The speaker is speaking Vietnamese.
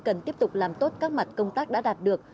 cần tiếp tục làm tốt các mặt công tác đã đạt được